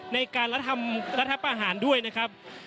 ในการรัฐพาหารด้วยนะครับ